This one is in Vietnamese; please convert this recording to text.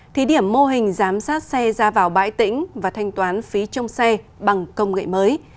thí điểm mô hình giám sát xe ra vào bãi tỉnh và thanh toán phí trông xe bằng công nghệ mới